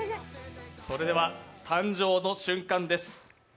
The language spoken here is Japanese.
それでは誕生の瞬間です。